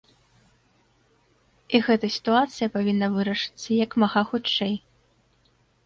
І гэта сітуацыя павінна вырашыцца як мага хутчэй.